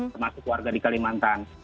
termasuk warga di kalimantan